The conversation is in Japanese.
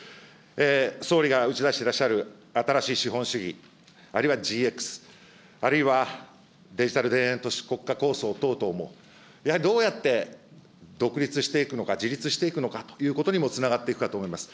総理が打ち出していらっしゃる新しい資本主義、あるいはＧＸ、あるいはデジタル田園都市国家構想等々も、やはりどうやって独立していくのか、自立していくのかということにもつながっていくかと思います。